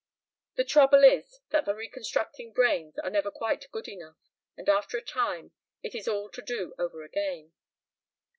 "The trouble is that the reconstructing brains are never quite good enough, and after a time it is all to do over again.